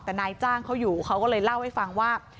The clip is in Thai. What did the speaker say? แต่นายจ้างเขาอยู่เขาก็เลยเล่าให้ฟังว่า